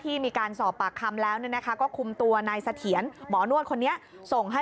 เที่ยวใครเที่ยวเที่ยวนี่เพราะอะไร